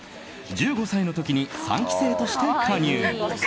１５歳の時に３期生として加入。